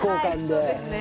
はいそうですね。